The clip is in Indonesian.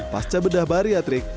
pas cabedah bariatrik